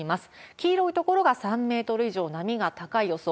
黄色い所が３メートル以上波が高い予想。